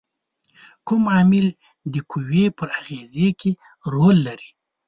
کوم عامل د قوې پر اغیزې کې رول لري؟